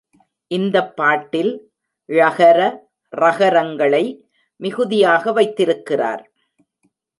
இந்தப் பாட்டில் ழகர, றகரங்களை மிகுதியாக வைத்திருக்கிறார்.